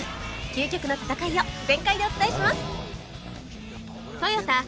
究極の戦いを全開でお伝えします